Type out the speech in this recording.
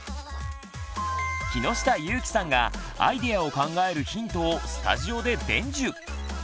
木下ゆーきさんがアイデアを考えるヒントをスタジオで伝授！